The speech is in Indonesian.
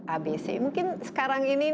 abc mungkin sekarang ini